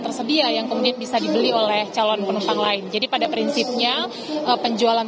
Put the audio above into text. tersedia yang kemudian bisa dibeli oleh calon penumpang lain jadi pada prinsipnya penjualan